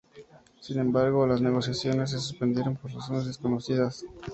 Sin embargo, las negociaciones se suspendieron por razones desconocidas.